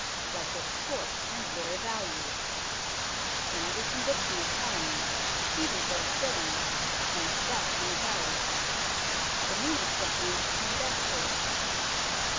Life was short and little valued. When every conviction of felony, even for a shilling, meant death on the gallows, the meanest ruffians became desperate.